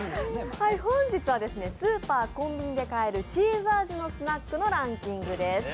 本日はスーパーコンビニで買えるチーズ味のスナックのランキングです。